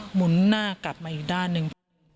หมุนหน้ากลับมาอีกด้านหนึ่ง